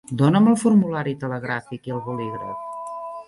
Dona'm el formulari telegràfic i el bolígraf.